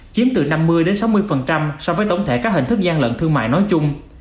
chiếm từ năm mươi sáu mươi so với tổng thể các hình thức gian lận thương mại nói chung